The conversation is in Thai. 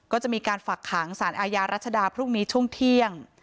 ก็จะมีการฝักขังสารอาญารัชดาพรุ่งนี้ช่วงเที่ยง